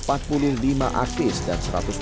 empat puluh lima artis dan enam artis yang telah menanggung